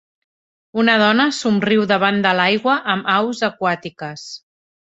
Una dona somriu davant de l'aigua amb aus aquàtiques.